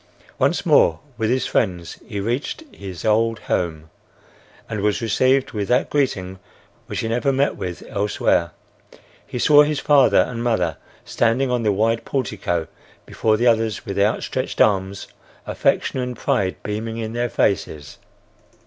Once more with his friends he reached his old home and was received with that greeting which he never met with elsewhere. He saw his father and mother standing on the wide portico before the others with outstretched arms, affection and pride beaming in their faces.